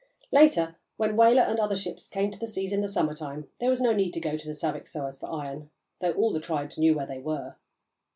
Later, when whaler and other ships came to the seas in the summer time, there was no need to go to the Saviksoahs for iron, though all the tribes knew where they were.